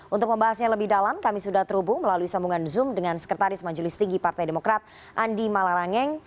untuk membahasnya lebih dalam kami sudah terhubung melalui sambungan zoom dengan sekretaris majelis tinggi partai demokrat andi malarangeng